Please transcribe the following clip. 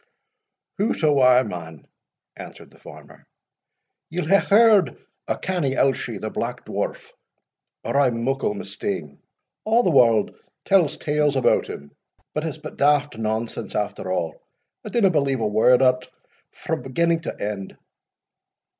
] "Hout awa, man," answered the farmer, "ye'll hae heard o' Canny Elshie the Black Dwarf, or I am muckle mistaen A' the warld tells tales about him, but it's but daft nonsense after a' I dinna believe a word o't frae beginning to end."